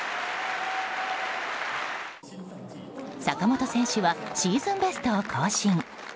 坂本選手はシーズンベストを更新。